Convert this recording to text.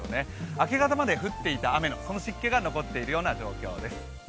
明け方まで降っていた雨のその湿気が残っている状況です。